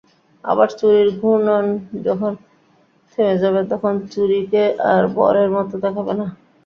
আবার চুড়ির ঘূর্ণন যখন থেমে যাবে, তখন চুড়িকে আর বলের মতো দেখাবে না।